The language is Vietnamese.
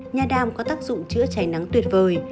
nha đam có tác dụng chữa cháy nắng tuyệt vời